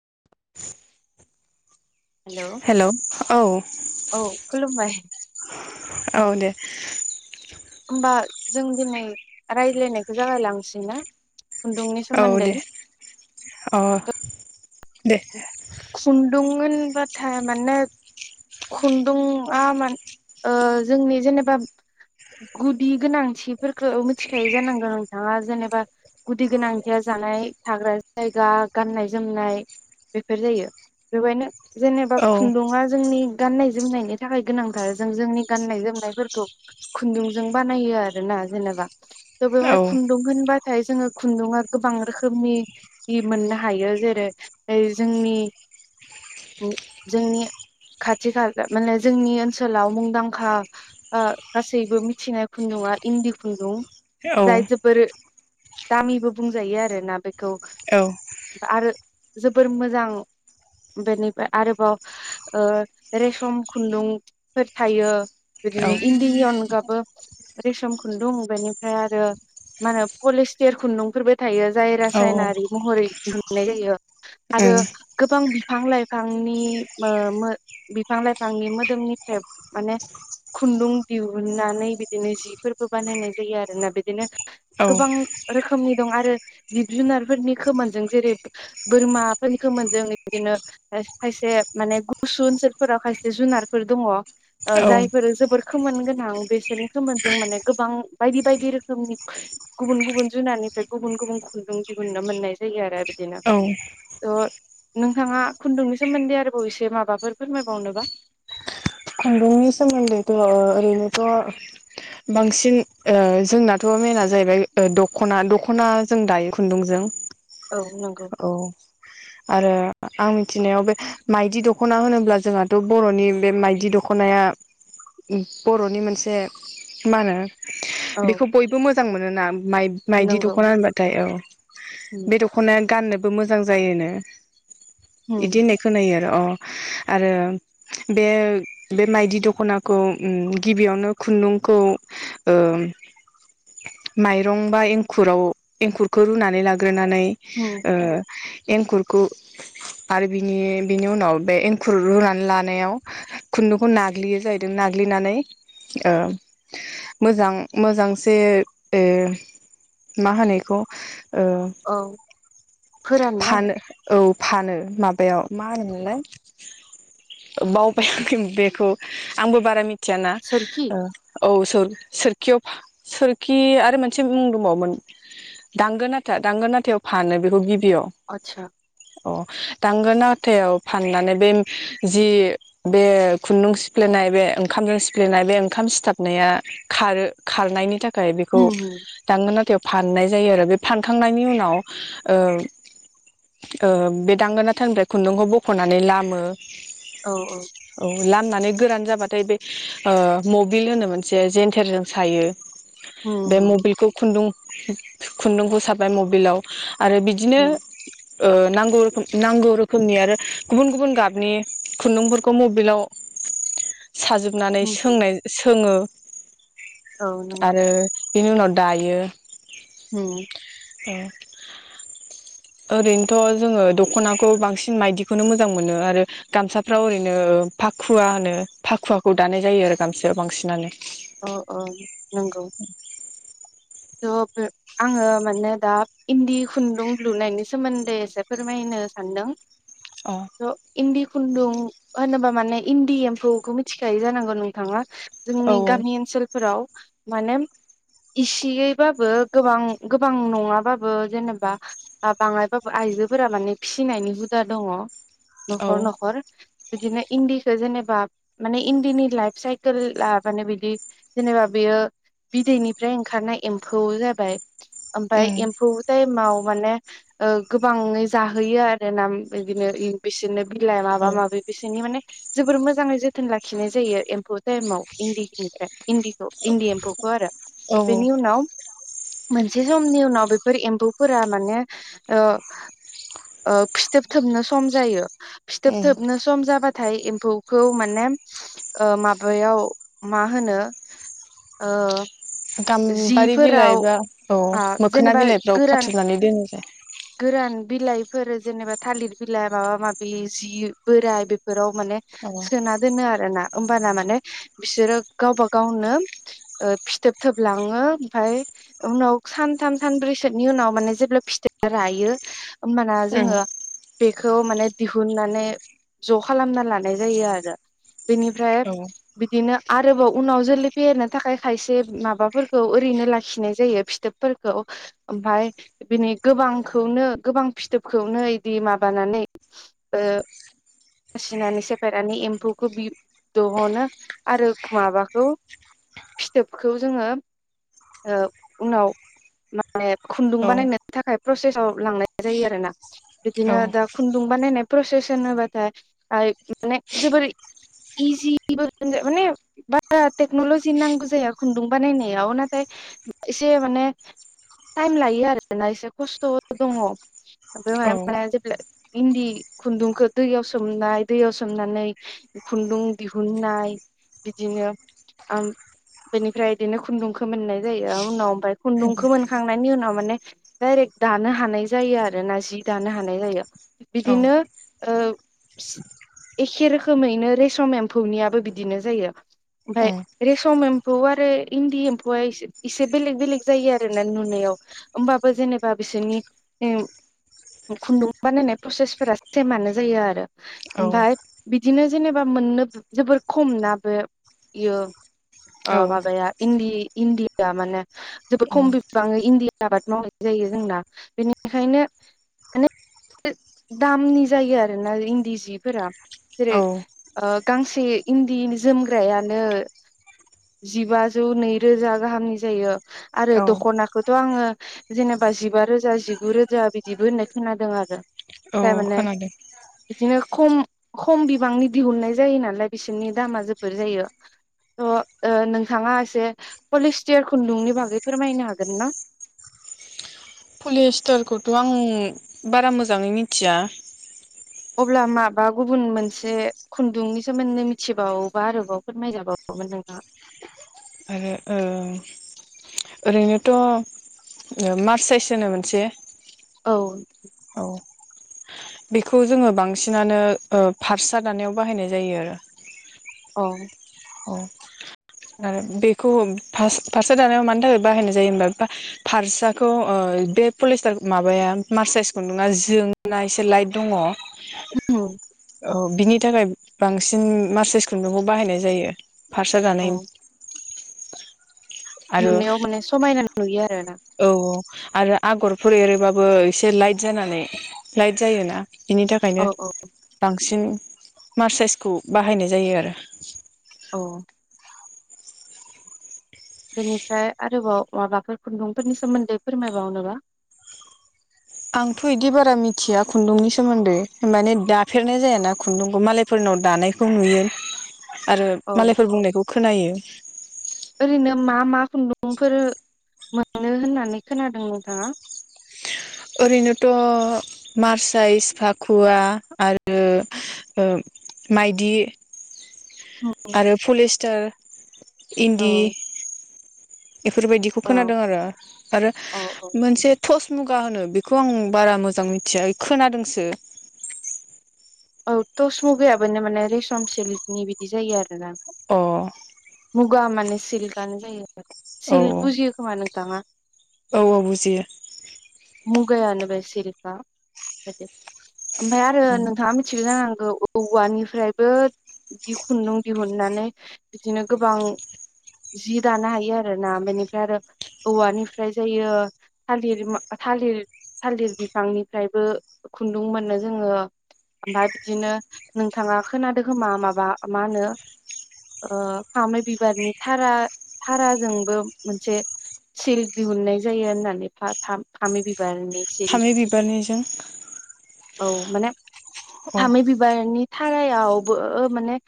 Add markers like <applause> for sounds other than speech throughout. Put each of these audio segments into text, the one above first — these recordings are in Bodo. <inaudible> हेलौ औ खुलुमबाय औ दे होमबा जों दिनै रायज्लायनायखौ जागायलांसै ना खुन्दुंनि औ सोमोन्दै दे अ दे खुन्दुं खुन बाथा मानो खुन्दुंआ मा ओ जोंनि जेनेबा गुदि गोनांथिफोरखौ मिथिखायो जानांगौ नोंथाङा जेनेबा गुदि गोनांथिया जानाय थाग्रा जायगा गाननाय जोमनाय बेफोर जायो बेबायनो जेनेबा औ खुन्दुा जोंनि गाननाय जोमनायनि थाखाय गोनांथार जों जोंनि गाननाय जोमनायफोरखौ खुन्दुंजों बानायो आरोना जेनेबा थ' औ बेवहाय खुन्दुं होनबाथाय जोङो खुन्दुुंङा गोबां रोखोमनि मोननो हायो जेरै जोंनि जोंनि खाथि खाला माने जोंनि ओनसोलाव मुंदांखा गासैबो मिथिनाय खुन्दुंआ इन्दि खुन्दुं औ जाय जोबोर दामिबो बुंजायो आरोना बेखौ आरो जोबोर मोजां बेनिफ्राय आरोबाव ओ रेसम खुन्दुंफोर थायो बिदिनो इन्दिनि अनगाबो रेसम खुन्दुं बेनिफ्राय आरो मा होनो पलिस्टार खुन्दुंफोरबो थायो जाय उम रासायनारि महरै दिहुनन्नाय जायो आरो गोबां बिफां लाइफांनि मो बिफां लाइफांनि मोदोमनिफ्राय माने खुन्दुं दिहुननानै बिदिनो जिफोरबो बानायनाय जायो आरोना बिदिनो औ गोबां रोखोमनि दं आरो जिब जुनारफोरनि खोमोनजों जेरै बोरमाफोरनि खोमोनजों बिदिनो खायसे माने गुसु ओनसोल फोराव खायसे जुनारफोर दङ जायफोर जोबोर खोमोन गोनां बेसोरनि खोमोनजों माने गोबां बायदि बायदि रोखोमनि गुबुन गुबुन जुनारनिफ्राय गुबुन गुबुन खुन्दुं दिहुननो मोननाय जायो आरो बिदिनो तह नोंथाङा खुन्दुंनि सोमोन्दै आरोबाव एसे माबाफोर फोरमायबावनोबा खुन्दुंनि सोमोन्दैथ' ओरैनोथ' बांसिन ओ जोंनाथ' मेन जाहैबाय दख'ना दख'ना जों दायो खुन्दुंजों औ नंगौ औ आरो आं मिथिनायाव बे माइदि दख'ना होनोब्ला जोंहाथ' बर'नि बे माइदि दख दख'नाया बर'नि मोनसे मा होनो औ बेखौ बयबो मोजां मोनोना माइ-माइदि नंगौ दख'ना होनबाथाय औ बे दख'नाया गाननोबो मोजां जायोनो बिदि होननाय खोनायो आरो अ आरो बे बे माइदि दख'नाखौ गिबियावनो खुन्दुंखौ माइरं बा एंखुराव एंखुरखौ रुनानै लाग्रो नानै होम ओ एंखुरखौ आरो बिनि बिनि उनाव बे एंखुर रुनानै लानायाव खुन्दुंखौ नाग्लियो जाहैदों नाग्लिनानै ओ मोजां मोजांसे ए मा होनो एखौ ओ औ फोराननाय फानो औ फानो माबायाव मा होनोमोनलाय बावबाय बेखौ आंबो बारा मि थिआना सोरखि ओ औ सोखि सोरिआव फा सोरखि आरो मोनसे मुं दंबावो मोन दांगो नाथा दांगोना थायाव फानो बेखौ गि बिआव आतसा अ दांगो नाथायाव फाननानै बे जि बे खुन्दुं सिफ्लेनाय बे ओंखामजों सिफ्लेनाय बे ओंखाम सिथाबनाया खारो खारनायनि थाख थाय बेखौ होम होम दाङा नाथायाव फाननाय जायो आरो बे फानखांनायनि उनाव ओ ओ बे दांङा नाथानिफ्राय खुन्दुंखौ बख'नानै लामो औ लामनानै गोरान जाबाथाय बे ओ मबिल होनो मोनसे जेेनथेरजों सायो बे होम होम मबिलखौ खुन्दुं खुन्दुंखौ साबाय मबिलाव आरो बिदिनो होम ओ नांगौ रोखोम नांगौ रोखोमनि आरो गुबुन गुबुन गाबनि खुन्दुंफोर ग मबिलाव साजोबनानै होम सोंनाय सोङो औ नोंगौ आरो बेनि उनाव दायो हुम उम ओरैनोथ जोङो दख'नाखौ बांसिन माइदिखौनो मोजां मोनो आरो गामसाफ्राव ओरै नो फाखुवा होनो फाखुवाखौ दानाय जायो आरो गामसायाव बांसिनानो अ अ नोंगौ थ बे आङो माने दा इन्दि खुन्दुं लुनायनि सोमोन्दै एसे फोरमायनो सान्दों अ ज इन्दि खुन्दुं होनोबा माने इन्दि एम्फौखौ मिथिखायो जानांगौ नोंथाङा औ जोंनि गामि ओनसोल फोराव माने इस फियैबाबो गोबां गोबां नङाबाबो जेनेबा बाङायबाबो आइजोफोरा माने फिसिनायनि हुदा दङ औ न'खर न'खर बिदिनो इन्दिखो जेनेबा माने इन्दिनि लाइफ साइकोला माने बिदि जेनेबा बेयो बिदैनिफ्राय ओंखारनाय एम्फौ जाबाय ओमफाय उम एम्फौ टाइमाव मोनो गोबाङै जाहोयो आरो ना बिदिनो बिसोरनो बिलाइ माबा औ माबि बिसोरनि माने जोबोर मोजाङै जोथोन लाखिनाय जायो एम्फौ टाइमाव इन्दिनिफ्राय इन्दिखौ इन्दि एम्फौखौ आरो औ बिनि उनाव मोनसे समनि उनाव बेफोर एम्फौफोरा माने ओ ओ फिथोब थोबनो सम जायो। फिथोब उम थोबनो सम जाबा नाथाय एम्फौखौ ओ माने माबायाव मा होनो ओ गाम्बारि बिलाइ जिफोराव बा औ आ मोखोना जेनेबा बिलाइफोराव गोरान खाथुमनानै दोनो गोरान बिलाइफोर जेनेबा थालिर बिलाइ माबा माबि जि बोराय बेफोराव माने औ सोना दोनो आरो ना होमबाना माने बिसोरो गावबा गावनो ओ फिथोब थोबलाङो ओमफ्राइ उनाव सानथाम सानब्रैसोनि उनाव माने जेब्ला फिथोबा रायो होमबाना उम जोङो बे खौ माने दिहुननानै ज' खालामना लानाय जायो आरो बेनिफ्राय बिदिनो आ रोबाव उनाव जोलै फेहेरनो थाखाय खायसे माबा माबाफोरखौ ओरैनो लाखिनाय जायो फिथोबफोरखौ ओमफ्राय बिनि गोबांखौनो गोबां फिथोबखौनो इदि माबानानै ओ बासिनानै सेपायनानै एम्फौखौ दिहुनो आरो माबाखौ फिथोबखौ जोङो ओ उनाव माने खुन्दुं औ बानायनो थाखाय प्रसेसाव लांनाय जायो आरोना बिदिनो दा खुन्दुं बानायनाय प्रसेस होनोबा <unintelligible> माने जोबोर इजिबो माने बारा टेक्न'लजि नांगौ जाया खुन्दुं बानायनायाव नाथाय एसे माने टाइम लायो आरोना एसे खस्थ' दङ औ बेवहाय उम माने जेब्ला इन्दि खुन्दुंखो दैयाव सोमनाय दैयाव सोमनानै खुन्दुं दिहुननाय बिदिनो ओ बेनिफ्राय बिदिनो खुन्दुंखौ मोननाय जायो उनाव ओमफ्राय खुन्दुंखौ मोनखांनायनि उनाव माने डायरेक्ट दानो हानाय जायो आरो ना जि दानो हानाय जायो औ बिदिनो ओ एखे रोखोमैनो रेसम एम्फौनियाबो बिदिनो जायो ओमफाय औ रेसम एम्फौ आरो इन्दि एम्फौआ एसे बेलेग बेलेग जायो आरोना नुनायाव होमबाबो जेनेबा बिसोरनि खुन्दुं बानायनाय प्रसेसफोरा सेमानो जायो आरो ओमफ्राय बिदिनो जेनेबा मोननो जोबोर खम ना बे-बेयो औ माबाया इन्दि इन्दिया माने जोबोर खम बिबांयै इन्दिया आबाद मावनाय जायो जोंना बेनिखायनो बे दामनि जायो आरोना इन्दि जिफोरा जेरै औ ओ गांसे इन्दि जोमग्रायानो जिबाजौ नैरोजा गाहामनि जायो आरो औ दख'नाखौथ' आङो जेनेबा जिबा रोजा जिगु रोजा बिदिबो होननाय खोनादों आरो औ थारमाने खोनादों बिदिनो खम खम बिबांनि दिहुननाय जायो नालाय बिसोरनि दामा जोबद जायो थ' ओ नोंथाङा एसे पलिस्टियार खुन्दुंनि बागै फोरमायनो हागोन ना? पलिस्टरखौथ' आं बारा मोजाङै मिथिया। अब्ला माबा गुबुन मोनसे खुन्दुंनि सोमोन्दै मिथिबावोबा आरोबाव फोरमायजाबावगौमोन नोंथाङा। <unintelligible> ओरैनोथ' मार्च साइस होनो मोनसे औ औ बेखौ जोङो बांसिनानो फारसा दानायाव बाहायनाय जायो आरो औ औ आरो बेखौ फारसा दानायाव मानि थाखाय बाहायनाय जायो होनबा फारसाखौ ओ बे पलिस्टार माबाया मार साइसखौ नङा जोंङोना एसे लाइट दङ। <inaudible> औ बिनि थाखाय बांसिन मारचस खुन्दुंखौ बाहायनाय जायो। फारसा दानायनि <inaudible> औ आरो नुनायाव माने समायना नुयो आरो ना औ आरो आगरफोर एरोबाबो एसे लाइट जानानै लाइट जायोना। बिनि औ थाखायनो औ बां बांसिन मार साइसखौ बाहायनाय जायो आरो। औ बेनिफ्राय आरोबाव माबाफोर खुन्दुंफोरनि सोमोन्दै फोरमायबावनोबा आंथ' इदि बारा मिथिया खुन्दुंनि सोमोन्दै माने दाफेरनाय जायाना खुन्दुंखौ मालायफोरनाव दानायखौ नुयो। आरो औ मालायफोर बुंनायखौ खोनायो। <inaudible> ओरैनो मा मा खुन्दुंफोर मोनो होननानै खोनादों नोंथाङा? ओरैनोथ' मारसाइस फाखुवा आरो ओ माइदि। औ आरो पलिस्टार इन्दि औ बेफोरबायदिखौ खोनादों आरो आरो औ मोनसे थस मुगा होनो बेखौ आं बारा मोजां मिथिया खोनादोंसो। औ तस मुगायाबो माने रेसम सिलकनि बिदि जायो आरो। अ औ मुगा माने सिलकानो जायो। सिलक बुजियो खोमा नोंथाङा औ औ बुजियो मु गगानो बे सिलखा ओमफ्राय आरो नोंथाङा मि जानांगौ औवानिफ्रायबो खुन्दुं दिहुननानै बिदिनो गोबां जि दानो हायो आरो ना बेनिफ्राय आरो औवानिफ्राय जायो थालिर थालिर थालिर बिफांनिफ्रायबो खुन्दुं मोनो जोङो। ओमफ्राय बिदिनो नोंथाङा खोनादो खोमा माबा मा होनो फामे बिबारनि थारा थाराजोंबो मोनसे सिल्क दिहुनन्नाय जायो होननानै फा-फामे बिबार फामे बिबारनिजों औ माने अ फामे बिबारनि थारायावबो माने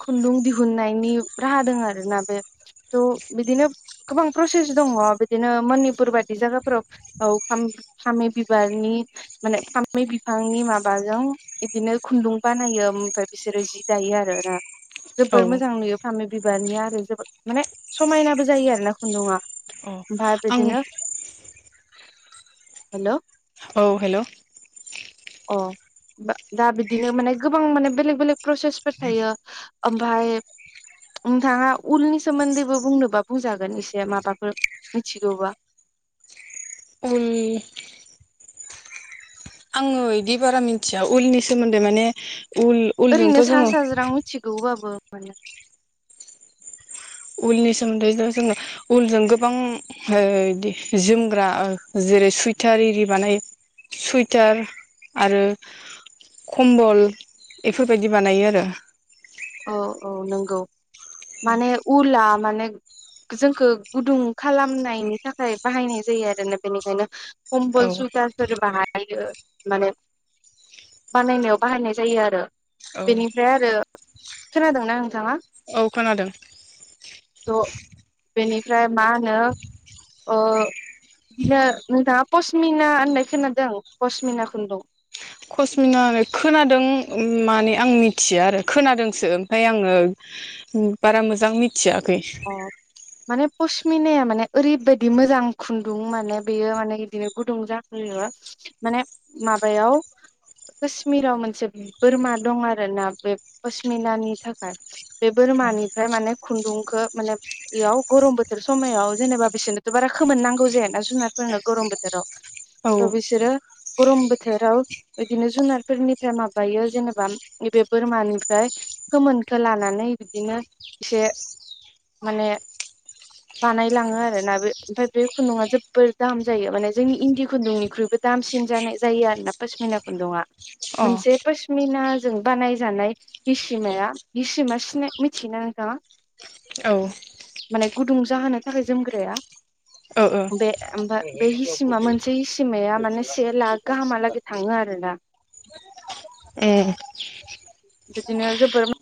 खुन्दुं दिहुननायनि राहा दोङो आरोना बे थ' बिदिनो गोबां प्रसेस दङ बिदिनो मनिपुर बादि जायगाफोराव औ फामे फामि बिबारनि माने फामे बिफांनि माबाजों बिदिनो खुन्दुं बानायो ओमफ्राय बिसोरो जि दायो आरो ना। औ जोबोद मोजां नुयो फामि बिबारनिया आरो जोबोद माने समायनाबो जायो आरो ना खुन्दुआ। अ ओमफ्राय आं बिदिनो हेलौ औ हेलौ अ बा दा बिदिनो माने गोबां माने बेलेक बेलेक प्रसेसफोर थायो ओमफाय नोंथाङा उलनि सोमोन्दैबो बुंनोबा बुंजागोन एसे माबाफोर मिथिगौबा उल आङो बिदि बारा मिथिया उलनि सोमोन्दै माने उल उलजोंथ जोंङो औ मा उलनि सोमोन्दै जों जोंङो उलजों गोबां ओ जोमग्रा जेरै सुइथार एरि बानायो सुइटार आरो खम्बल बेफोरबायदि बानायो आरो औ औ नंगौ माने उला माने जोंखौ गुदुं खालामनायनि थाखाय बाहायनाय जायो आरो ना बेनिखायनो खम्बल सुथुरफोर बानायो माने बानायनायाव बाहायनाय जायो आरो औ बेनिफ्राय आरो खोनादोंना नों नोंथाङा औ खोनादों थ बेनिफ्राय मा होनो ओ बिदिनो नोंथांयाबो पसमिना होननाय खोनादों पसमिना खुन्दुं कसमिना खोनादों माने आं मिथिया आरो खोनादोंसो ओमफाय आंङो बारा मोजां मि थियाखै अ माने पसमिनाया माने ओरैबायदि मोजां खुन्दुं माने बेयो माने बिदिनो गुदुं जाखोयो माने माबायाव कश्मिराव मोनसे बोरमा दं आरो ना बे पसमिनानि थाखाय बे बोरमानिफ्राय माने खुन्दुंखौ माने बेयाव गरम बोथोर समायाव जेनेबा बिसोरनोथ' बारा खोमोन नांगौ जायाना जुनारफोरनो गरम बोथोराव औ ओ बिसोरो गरम बोथोराव बिदिनो जुनारफोरनिफ्राय माबायो जेनेबा नैबे बोरमानिफ्राय खोमोनखौ लानानै बिदिनो एसे माने बानायलाङो आरोना बे ओमफाय बे खुन्दुङा जोबोद दाम जायो माने जोंनि इन्दि खुन्दुंनिख्रुइबो दामसिन जानाय जायो आरोना पसमिना खुन्दुङा अ मोनसे औ पसमिनाजों बानायजानाय हिसिमाया हिसिमा सिनाय मिथियोना नोंथाङा? ओ माने गुदुं जाहोनो थाखाय जोमग्राया ओ बे ओमफ्राय बे हिसिमा मोनसे हिसिमाया माने से लाख गाहामहालागै थाङो आरोना। उम बिदिनो जोबोर